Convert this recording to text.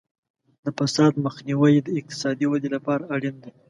د فساد مخنیوی د اقتصادي ودې لپاره اړین دی.